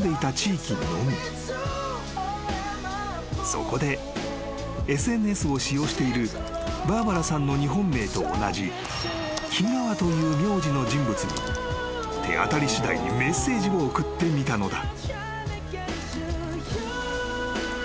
［そこでＳＮＳを使用しているバーバラさんの日本名と同じ木川という名字の人物に手当たり次第にメッセージを送ってみたのだ］